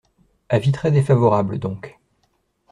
Avis très défavorable, donc.